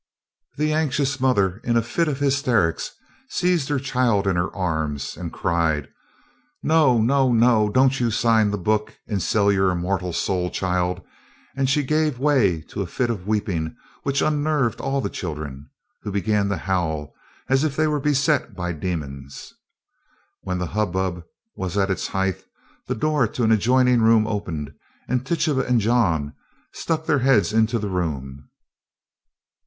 The anxious mother, in a fit of hysterics, seized her child in her arms and cried: "No, no, no! don't you sign the book and sell your immortal soul, child!" and she gave way to a fit of weeping, which unnerved all the children, who began to howl, as if they were beset by demons. When the hubbub was at its height, the door to an adjoining room opened, and Tituba and John stuck their heads into the room.